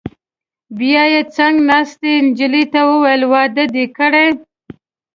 بیا یې څنګ ناستې نجلۍ ته وویل: واده دې کړی؟